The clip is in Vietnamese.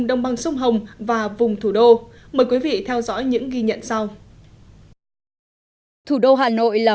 đồng bằng sông hồng và vùng thủ đô mời quý vị theo dõi những ghi nhận sau thủ đô hà nội là